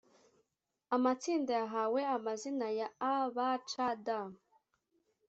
Amatsinda yahawe amazina ya A, B, C, D.